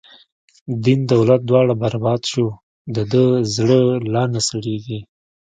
دین دولت دواړه بر باد شو، د ده زړه لا نه سړیږی